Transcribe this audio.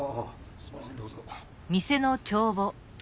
すみませんどうぞ。